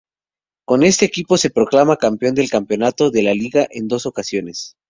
Con este equipo se proclama campeón del campeonato de Liga en dos ocasiones.